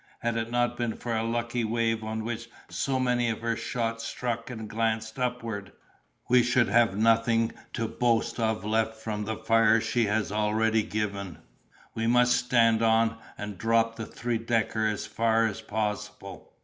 Had it not been for a lucky wave on which so many of her shot struck and glanced upward, we should have nothing to boast of left from the fire she has already given; we must stand on, and drop the three decker as far as possible."